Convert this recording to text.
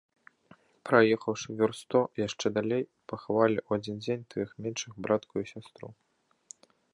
Праехаўшы вёрст сто яшчэ далей, пахавалі ў адзін дзень тваіх меншых братку і сястру.